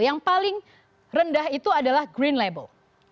yang paling rendah itu adalah green label